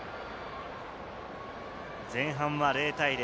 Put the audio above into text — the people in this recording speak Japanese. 前半は０対０。